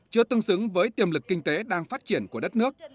chưa tương xứng với tiềm lực kinh tế đang phát triển của đất nước